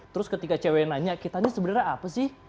terus ketika cewek nanya kita ini sebenarnya apa sih